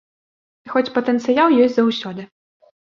Хоць патэнцыял ёсць заўсёды.